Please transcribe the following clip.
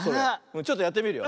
ちょっとやってみるよ。